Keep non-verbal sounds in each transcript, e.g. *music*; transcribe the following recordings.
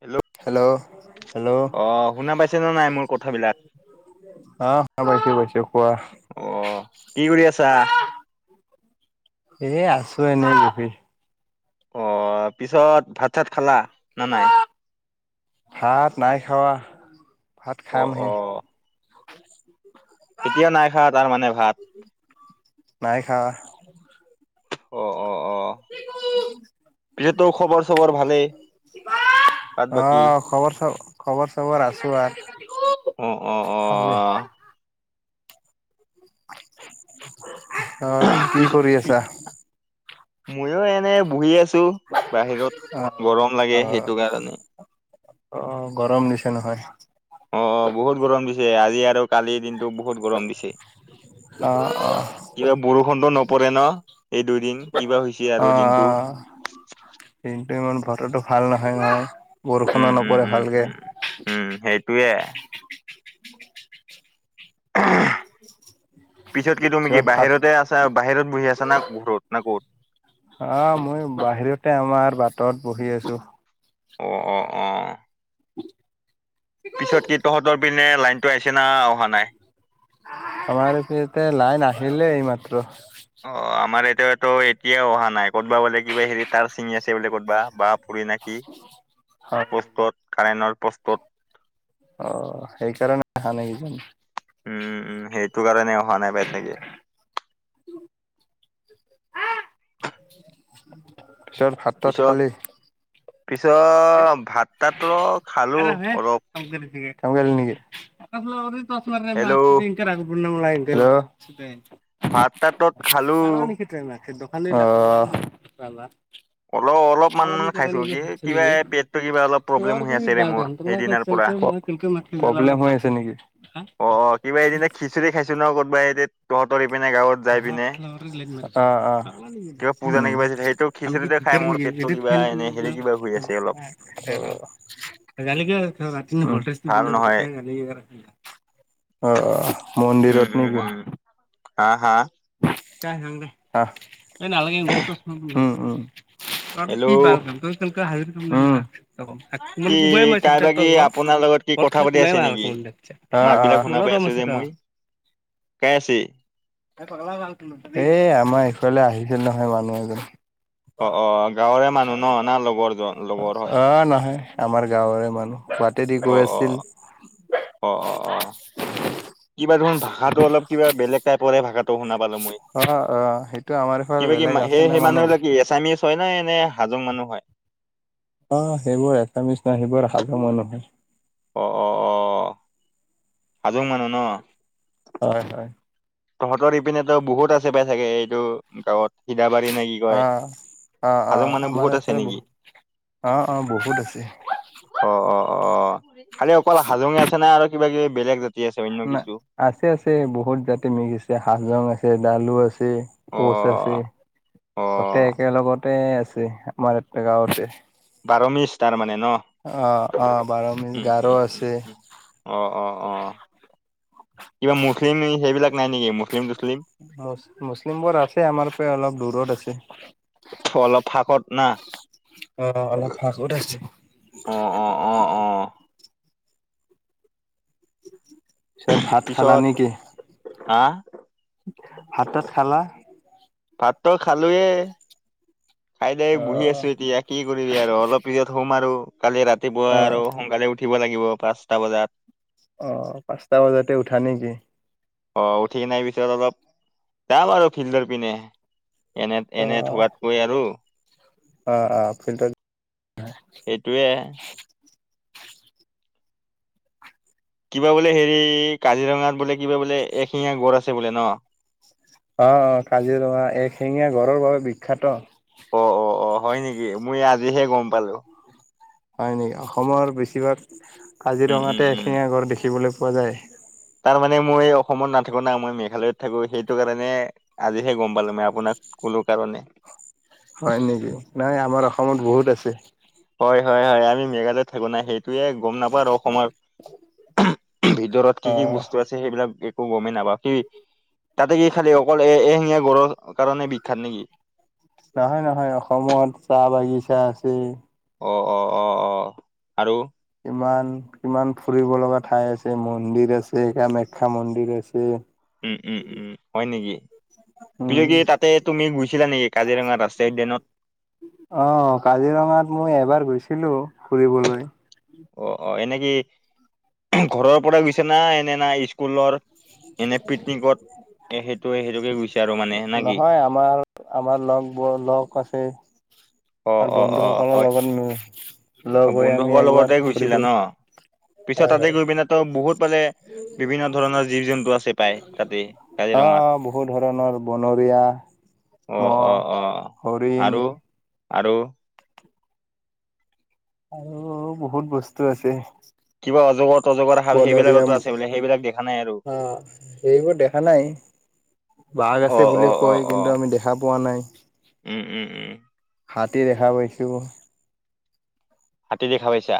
Hello hello আহ শুনা পাইছে ন নাই মোৰ কথাবিলাক অ পাইছো বাইছো কোৱা অ কি কৰি আছা এনে আছ ত এনে গকি অ পিছত ভাত চাত খালা না নাই ভাত নাই খাৱা ভাত অ খাম অ হে এতিয়া নাই খা তাৰ মানে ভাত নাইখা অ অ অ পিছত তোৰ খবৰ চবৰ ভালে তাত অ বাকী। খবৰ চ খবৰ চবৰ আছোঁ আৰু অ অ অ ভালে আহ পি কি কৰি আছা ময়ো এনে বহি আছো অ বাহিৰত গৰম অ লাগে সেইটো কাৰণে অ গৰম দিছে নহয় অ অ বহুত গৰম দিছে আজি আৰু কালিৰ দিনটো বহুত গৰম দিছে অ অ কিবা বৰষুণটো নপৰে ন এই দুইদিন কিবা হৈছে আৰু দিনটো অ-অ-অ কিন্তু ইমান বতৰটো ভাল নহয় ন। উম উম উম উম উম সেইটয়ে *unintelligible* পিছত কি তুমি কি বাহিৰতে আছা বাহিৰত বহি আছা না ঘৰত না ক'ত আহ মই বাহিৰতে আমাৰ বাটত বহি আছো অ অ অ উ পিছত কি তহঁতৰ পিনে লাইনটো আহিছে না অহা নাই? আমাৰ এতি ইতে লাইন আহিলেই এই মাত্ৰ অ, আমাৰ এটোয়া তো এতিয়া অহা নাই ক'তবা বোলে কিবা হেৰি তাৰ ছিঙি আছে বোলে ক'তবা বা। ফুৰি নাকি পস্তুত কাৰেটৰ পসত অ সেইকাৰণে হানকিজন উম সেইটো কাৰণে অহা নাই পাই চাগে পিছত ভাত তাত পিছত খালী? পিছত ভাত তাতাতৰ *unintelligible* *unintelligible* হেল্ল' ভাত তাতত খালোঁ। কাৰানা নেকি টেম ৰাখে দোকানা অলপ অলপমান খাইছো *unintelligible* কি কিবা পেটটো কিবা প্ৰব্লেম অলপ প্ৰব্লেম আছিলে মোৰ হৈ সেইদিনাৰ পৰা আছে নেকি অ অ কিবা এদিনা খিচুৰি খাইছো ন কোবা এয়া তহঁতৰ ইপিনে গাঁৱত যাই পিনে *unintelligible* কিবা পূজা নে কিবা আছিল দিাল সেইটো খিচিৰিতে খাই মোৰ পেটটো কিবা এনে কিয় হেৰি কিবা হৈ আছে অলপ ৰাতিৰ *unintelligible* ভাল নহয় *unintelligible* অ উম মন্দিৰত উম নেকি উম হা হা *unintelligible* ত কি হেল্ল' বালাম তমি কালকৈ হাজ কি কোমাই মাইছে কাইবা তাক কি তক আপোনাৰ লগত কি পত কথা খাললে পাতি কোমাই আছে নেকি মাত বিলাক শুনা ভাল পাই আছো যে মই কাই আছে এই পাগলা এ আমাৰ এইফালে আহি গল নহয় মানুহ এজন অ অ গাঁৱৰে মানুহ ন না লগৰ জন লগৰ হয় অহ নহয় আমাৰ গাঁৱৰে মানুহ বাটেদি অ গৈ অ আছিল অ অ অ কিবা দেখোন ভাষাটো অলপ কিবা বেলেগ টাইপ শুনা পালো মই অ', অ', সেইটো আমাৰ ফালে কিবা কি বেলেগ আছে সেই না সেই মানুহ। মানুহবিলাক কি এছামিচ হয় না এনে হাজং মানুহ হয় অ সেইবোৰ এচামিছ নাই সেইবোৰ হাজং মানুহে। অঁ অঁ অঁ হাজং মানুহ ন হয় হয় তহঁতৰ ইপিনেতো বহুত আছে পাই চাগে এইটো গাঁৱত সিধাবাৰী নে কি কয় অ', অ', অ', হাজং মানুহ আমাৰ বহুত আছে এইফালে বহু নেকি? অ অ বহুত আছে অ অ অ খালি অকল হাজংয়ে আছে না আৰু কিবা কিবি বেলেগ জাতি আছে অন্য না কিছু আছে আছে বহুত জাতি মিক্স আছে হাজং আছে ডালু আছে অ কোচ আছে অ গোটে একেলগতে আছে আমাৰত এটা গাঁওতে বাৰমিচ তাৰমানে অ অ বাৰমিজ উম গাৰো উম উম আছে। উম অহ অ অ কিবা মুছলিম সেইবিলাক নাই নেকি মুছলিম তুছলিম মুচ মুছলিম বোৰ আছে আমাৰ পৰা অলপ দূৰত আছে। অলপ ফাকত না অ অলপ ফাকত আছে অ অ অ অ পিছত ভাত খালা পিছত নেকি? আহ ভাত থাত খালা ভাতটো খালোয়ে খাই দাই বহি অ', আছো এতিয়া কি কৰিবি আৰু অলপ পিছত শুম আৰু কালি ৰাতিপুৱা অ'। আৰু সোনকালে উঠিব লাগিব পাঁচটা বজাত অ পাঁচটা বজাতে উঠা নেকি? অ উঠি নাই পিছত অলপ যাম আৰু ফিল্ডৰ পিনে এনে অ এনে থকাতকৈ আৰু অ অ ফিল্ডত সেইটোৱে কিবা বোলে হেৰি কাজিৰঙাত বোলে কিবা বোলে এশিঙীয়া গড় আছে বোলে ন অ অ কাজিৰঙা এক শিঙীয়া গডৰৰ বাবে বিখ্যাত অ অ অ হয় নেকি মই আজিহে গম পালো হয় নেকি অসমৰ বেছিভাগ উম উম কাজিৰঙাতে উম এশিঙিয়া গড় দেখিবলৈ পোৱা যায়। তাৰ মানে মই অসমত নাথাকো না মই মেঘালয়ত থাকো সেইটো কাৰণে আজিহে গম পালো মই আপোনাক ক কাৰণে হয় নেকি নাই আমাৰ অসমত বহুত আছে হয় হয় হয় আমি মেঘালয় থাকো নাই সেইটোয়ে গম নাপাওঁ আৰু অসমৰ ভিতৰত কি অ কি বস্তু আছে সেইবিলাক একো গমে নাপাও কি তাতে কি খালি অকল এ এশিঙীয়া গড়ৰ কাৰণে বিখ্যাত নেকি নহয় নহয় অসমত চাহ বাগিচা আছে। অঁ অঁ অঁ অঁ আৰু ইমান কিমান ফুৰিব লগা ঠাই আছে মন্দিৰ আছে কামাখ্যা মন্দিৰ আছে। উম উম উম হয় নেকি উম তুমি কি তাতে তুমি গৈছিলা নেকি কাজিৰঙা ৰাষ্ট্ৰীয় উদ্যানত অহ কাজিৰঙাত মই এবাৰ গৈছিলো ফুৰিবলৈ অ অ এনে কি ঘৰৰ পৰাই গৈছা না এনে না স্কুলৰ এনে পিকনিকত এ সেইটো সেইটোকে গৈছা আৰু মানে না কি নহয় আমাৰ আমাৰ লগ বোৰ লগ আছে অ আৰু অ অ বন্ধুসকলৰ হয় লগত মি অ বন্ধুসকলৰ লগতে গৈছিলা ন পিছত হয় তাতে হয়। গৈ পিনে তো বহুত পালে বিভিন্ন ধৰণৰ জীৱ জন্তু আছে পায় তাতে কাজিৰঙাত অ' বহু ধৰণৰ বনৰীয়া অ অ অ মহ হৰিণ আৰু আৰু আৰু বহুত বস্তু আছে *unintelligible* অজগত নাই আৰু বনৰীয়া আহ সেইবোৰ দেখা নাই বাঘ অ আছে অ বুলি অ কয় অ কিন্তু আমি দেখা পোৱা নাই উম উম উম হাত তী দেখা পাইছো হাতী দেখা পাইছা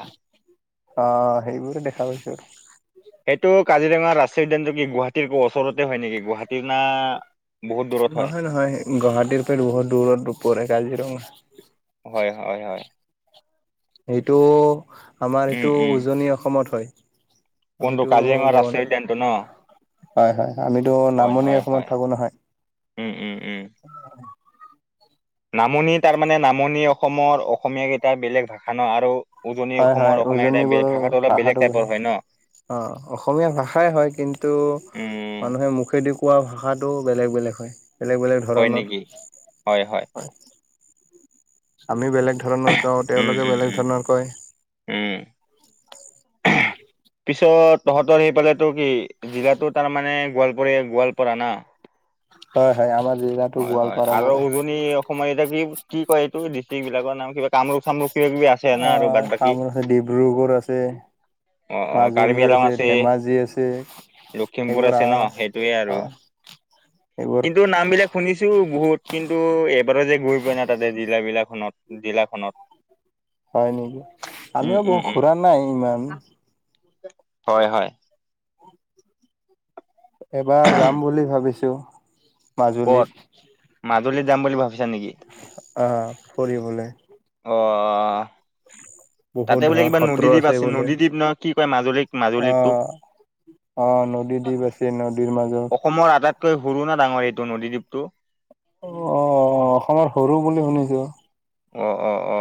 অ সেইবোৰে দেখা পাইছো আৰু সেইটো কাজিৰঙা ৰাষ্ট্ৰীয় উদ্যানটো কি গুৱাহাটীৰ ওচৰতে হয় নেকি গুৱাহাটীৰ না বহুত দূৰত হয় নহয় নহয় গুৱাহাটীৰ পৰা বহুত দূৰত পৰে কাজিৰঙা হয় হয় হয় সেইটো আমাৰ উম সেইটো উম উজনি অসমত হয় কোনটো আমিটো কাজিৰঙা ব ৰাষ্ট্ৰীয় উদ্যানটো ন হয় হয় আমিতো হয় নামনি হয় অসমত হয় থাকো নহয় উম উম উম নামনি তাৰমানে নামনি অসমৰ অসমীয়া কেইটাৰ বেলেগ ভাষা ন আৰু উজনি হয় হয় অসমৰ অসমীয়া কেইটাৰ উজনিবোৰৰ ভাষাটো অলপ বেলেগ টাইপৰ হয় ন অ অসমীয়া ভাষাই হয় কিন্তু উম মানুহে মুখেদি কোৱা ভাষাটো বেলেগ বেলেগ হয় বেলেগ বেলেগ হয় ধৰণৰ নেকি হয় হয় আমি বেলেগ ধৰণৰ কওঁ উম তেওঁলোকে উম বেলেগ উম ধৰণৰ কয় উম *unintelligible* পিছত তহঁতৰ সি পালোতো কি জিলাতো তাৰমানে গোৱালপৰীয়া গোৱালপাৰা না *inaudible* হয় হয় আমাৰ জিলাটো হয় হয় গোৱালপাৰা আৰু পৰে। উজনি অসমৰ এতিয়া কি কি কয় এইটো ডিষ্ট্ৰিক বিলাকৰ নাম কিবা কামৰূপ চামৰূপ কিবা কিবি আছে না অ আৰু বাদ বাকী কামোৰ আছে ডিব্ৰুগড় আছে অ অ কাৰ্বি মাজুলী আলং আছে ধেমাজি আছে লখিমপুৰ এইবোৰ আছে ন আহ সেইটোৱে অ আৰু এইবোৰ কিন্তু নাম বিলাক শুনিছো বহুত কিন্তু ন্তু এইবাৰো যে গৈ পোৱা না তাতে জিলা জিলাখনত জিলাখনত হয় নেকি উম আমিও উম বহুত উম ঘুৰা নাই ইমান হয় হয় এবাৰ যাম বুলি ভাবিছো মাজুলীত ক'ত মাজুলীত যাম বুলি ভাবিছা নেকি আহ ফুৰিবলৈ অহ্ বহুত তাতে বোলে ধৰ কিবা সত্ৰ নদীদ্বীপ আছে বোলে। নদীদ্বীপ না কি কয় মাজুলীক মাজুলীটোক অ', অ নদী দ্বীপ আছে নদীৰ মাজত তই সৰু না ডাঙৰ এইটো নদীদ্বীপটো অ অ অ অসমৰ সৰু বুলি শুনিছো অ অ অ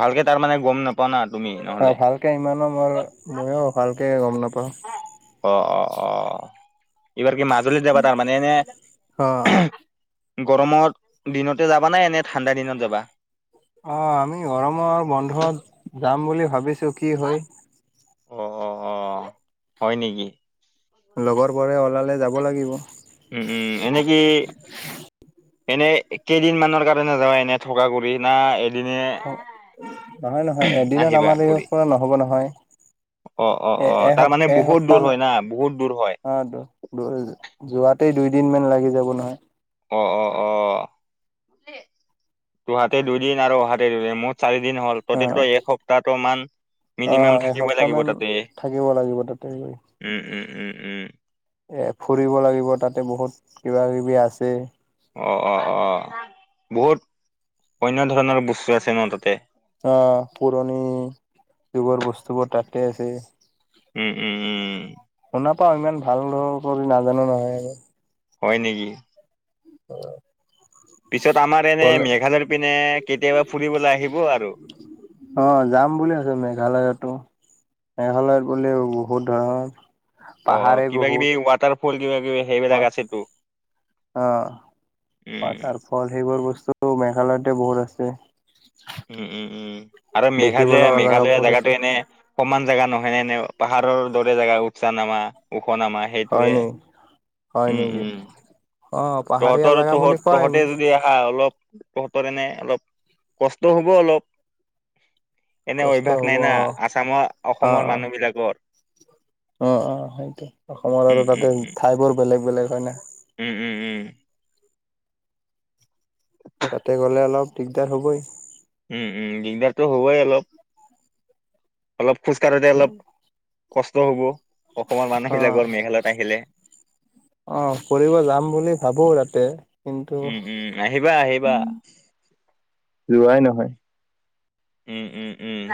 ভালকে তাৰ মানে গম নাপা না তুমি অ নহলে ভালকে ইমানো মোৰ ময়ো ভালকে গম নাপাওঁ অ অ অ এইবাৰ কি মাজুলীত যাবা তাৰ মানে এনে অ', গৰমত দিনতে যাবা না নে ঠাণ্ডা দিনত যাবা অহ, আমি গৰমৰ বন্ধত যাম বুলি ভাবিছো কি হয়। অহ অহ অহ হয় নেকি? লগৰ বোৰে ওলালে যাব লাগিব। উম - উম এনেকে এনেই কেইদিন মানৰ কাৰণে যাৱা এনে থকা কৰি না এদিনে নহয় - নহয় এদিনত আহিবা আমাৰ এই ঘূৰি শেষ কৰা নহব নহয়। অ অ এ অ এস তাৰ মানে বহুত দূৰ এসপ্তাহ হয় না বহুত দূৰ হয় অ, *unintelligible* যোৱাত টেই দুইদিন মান লাগি যাব নহয়। অহ - অহ - অহ দুহাতে দুদিন আৰু অহাতে দুদিন চাৰি দিন হ'ল অ', প্ৰতিটোটো এসপ্তাহ মান অ', মিনিমাম থাকিবই এসপ্তাহ লাগিব মান তাতে থাকিব লাগিব তাতে গৈ। উম- উম- উম- উম। এ ফুৰিব লাগিব তাতে বহুত কিবা কিবি আছে। অহ - অহ - অহ বহুত অন্য ধৰণৰ বস্তু আছে ন তাতে। অহ, পুৰণি যুগৰ বস্তুবোৰ তাতে আছে। উম উম উম উম। শুনাপাও ইমান ভাল লকৰি নাজানো নহয় আৰু। হয় নেকি? *unintelligible* পিছত আমাৰ এনে গলে মেঘালয়ৰ পিনে কেতিয়াবা ফুৰিবলৈ আহিব আৰু। অহ, যাম বুলি আছো মেঘালয়তো মেঘালয়ত গলে বহুত ধৰণৰ অ অ পাহাৰে কিবা কিবি বহুত ৱাটাৰ ফল কিবা কিবি সেইবিলাক পাত আছেতো অহ, উম, পাটাৰ ফল সেইবোৰ বস্তু মেঘালয়তে বহুত আছে। উম - উম - উম আৰু মেঘা দেখিব যে লগা জেগা মেঘালয়া বহুত আছে জেগাটো এনে সমান জেগা নহয়নে পাহাৰৰ দৰে জেগা উৎসাহ নামা। খনামা হয় সেইটোয়ে নেকি হয় উম- নেকি উম। অ পাহাৰীয়া তহতৰ - জেগা বুলি তহত - কয় তহতে যদি আহা অলপ তহতৰ এনে অলপ কষ্ট হব অলপ। এনে কষ্ট অভ্যাস হ'ব নাই অ না আচামৰ অসমৰ মানুহবিলাকৰ। অহ - অহ সেইটো অসমৰ উম, আৰু উম, তাতে উম, ঠাই বোৰ বেলেগ - বেলেগ হয় না। উম - উম - উম। তাতে গ'লে অলপ দিগদাৰ হ'বই। উম - উম দিগদাৰটো হ'বই অলপ। অলপ খোজ কাঢ়োতে অলপ কষ্ট হ'ব। অসমৰ মানুহ বিলাকৰ মেঘালয়ত আহিলে। অহ কৰিব যাম বুলি ভাবো তাতে কিন্তু উম, আহিবা আহিবা উম। *inaudible* যোৱাই নহয়। উম উম উম।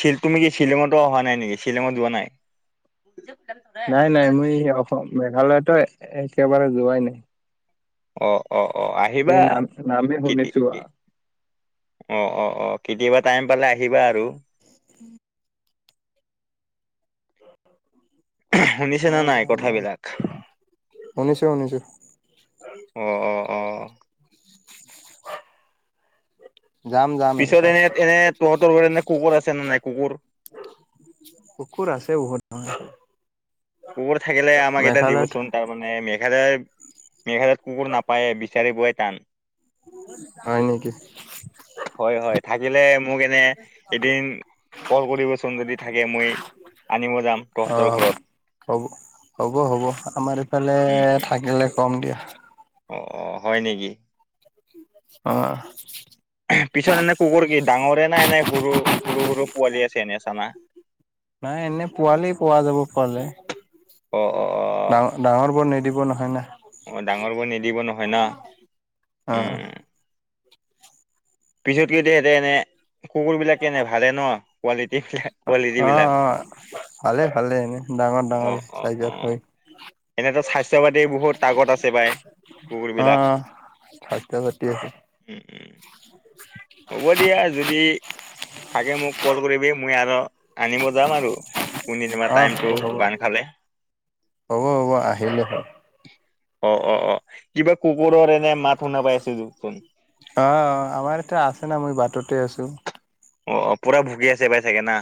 চিল তুমি কি শ্বিলঙতো অহা নাই নেকি শ্বিলঙত যোৱা নাই? নাই - নাই মই এই অসম মেঘালয়তো একেবাৰে যোৱাই নাই। অহ- অহ - অহ খালি আহিবা নাম নামে কেতি শুনিছো কে অহ- অহ- অহ কেতিয়াবা টাইম পালে আহিবা আৰু। উম, অ শুনিছেনে নাই যাম যাম কথাবিলাক? শুনিছো শুনিছো অহ অহ অহ। যাম যাম পিছত একবাৰ এনে - এনে তহতৰ কাৰণে কুকুৰ আছে নে নাই কুকুৰ। কুকুৰ আছে বহুত। কুকুৰ থাকিলে আমাক এটা মেঘালয়ত দিবচোন তাৰমানে মে মেঘালয় - মেঘালয়ত কুকুৰ নাপায়েই বিচাৰিবৈ টান। হয় নেকি? হয় হয় থাকিলে মোক এনে এদিন কল কৰিবচোন যদি থাকে মই আনিব যাম অ তহঁতৰ ঘৰত হ'ব হ'ব হ'ব আমাৰ এইফালে উম উম থাকিলে কম দিয়া অ হয় নেকি? অ পিছত এনে কুকুৰ কি ডাঙৰে নাই এনে সৰু সৰু সৰু পোৱালি আছে এনে চানা নাই এনে পোৱালিয়েই পোৱা যাব পোৱালে অ' অ অ ডাঙৰ ডাঙৰ বোৰ নিদিব নহয় না অ' ডাঙৰ বোৰ নিদিব নহয় না অ উম পিছত কি এতিয়া *unintelligible* এনে কুকুৰ বিলাক কেনে ভালে ন কোৱালিটী বিলাক কোৱালিটী অ অ বিলাক ভালে ভালে এনে ডাঙৰ অ ডাঙৰ অ অ চাইজৰ হয় এনেতো স্বাস্থ্য পাতি বহুত আগত আছে বাই কুকুৰ অ বিলাক উম উম *unintelligible* হ'ব দিয়া যদি থাকে মোক কল কৰিবি মই আৰু আনিব যাম আৰু কিবা অ টাইমতটো হ'ব হ'ব বান্ধ খালে। হ'ব হ'ব আহিলে হ অ' অ' অ' কিবা কুকুৰৰ এনে মাত শুনা পাই আছোচোন সেনা মই বাটতে আছোঁ অ' অ' পুৰা ভুকি আছে বাই চাগে না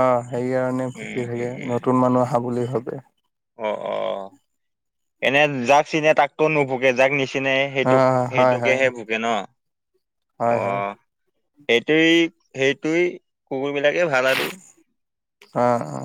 অ' সেই কাৰণে উম ভুকি উম থাকে উম নতুন মানুহ আহা বুলি ভাবে অ' অ' এনে যাক চিনে তাকতো নুভকে যাক নিচিনা চিনে অ সেইটোক হয় হয় সেইটোকেহে ভোকে ন হয় হয় এইটোৱেই সেইটোৱেই কুকুৰ বিলাকে ভাল আৰু অ অ